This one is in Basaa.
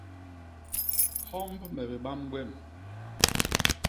Homb me bibam gwem.